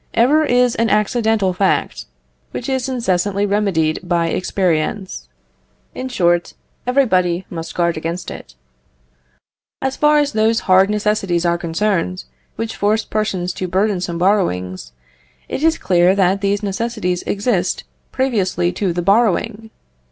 Error is an accidental fact, which is incessantly remedied by experience. In short, everybody must guard against it. As far as those hard necessities are concerned, which force persons to burdensome borrowings, it is clear that these necessities exist previously to the borrowing.